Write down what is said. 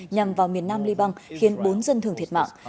nhằm vào miền nam liban khiến bốn dân thường thiệt mạng